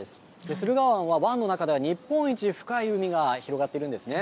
駿河湾は湾の中では日本一深い海が広がっているんですね。